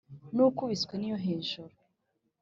ni ukubiswe n’iyo hejuru